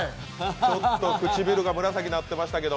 ちょっと唇が紫になってましたけど。